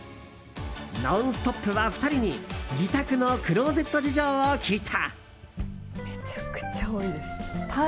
「ノンストップ！」は２人に自宅のクローゼット事情を聞いた。